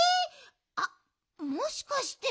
あっもしかして。